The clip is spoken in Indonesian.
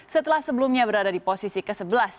setelah sebelumnya berada di posisi ke sebelas